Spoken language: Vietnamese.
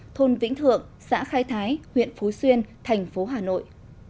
thôn vĩnh thượng xã khai thái huyện phú xuyên thành phố hà nội